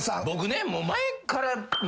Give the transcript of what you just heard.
僕ねもう前から。